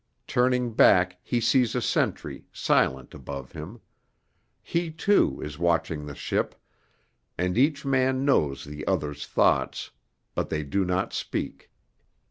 Turning back he sees a sentry, silent above him; he, too, is watching the ship, and each man knows the other's thoughts, but they do not speak.